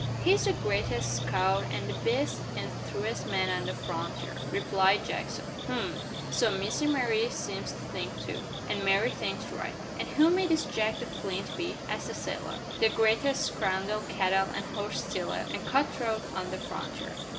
"He's the greatest scout an' the best an' truest man on the frontier," replied Jackson. "H'm! so Miss Mary seems to think too." "An' Mary thinks right." "An' who may this Jake the Flint be?" asked the sailor. "The greatest scoundrel, cattle and horse stealer, and cut throat on the frontier."